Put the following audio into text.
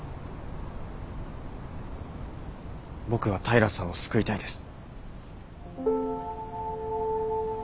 僕は平さんを救いたいです。